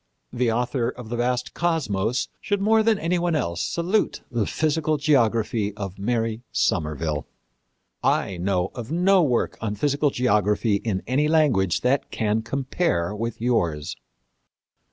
The author of the vast Cosmos should more than any one else salute the Physical Geography of Mary Somerville.... I know of no work on physical geography in any language that can compare with yours."